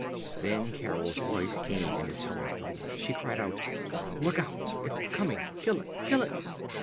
Then Carol's voice came in his helmet phone. She cried out; "_Look out! It's coming! Kill it! Kill it